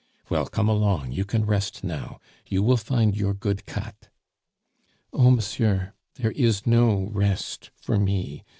"Well, come along; you can rest now; you will find your good Katt." "Oh, monsieur, there is no rest for me!